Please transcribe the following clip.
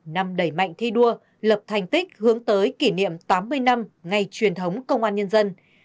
năm đẩy mạnh thi đua lập thành tích hướng tới kỷ niệm tám mươi năm ngày truyền thống công an nhân dân